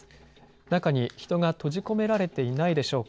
中に人が閉じ込められていないでしょうか。